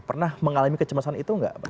pernah mengalami kecemasan itu nggak